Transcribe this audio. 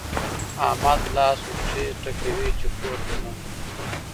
احمد لاس و پښې ټکوي چې کور ته ځم.